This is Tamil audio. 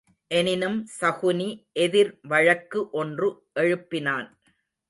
எனினும் சகுனி எதிர் வழக்கு ஒன்று எழுப்பினான்.